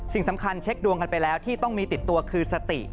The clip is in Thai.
สิ่งสำคัญเช็คดวงกันไปแล้วที่ต้องมีติดตัวคือสติ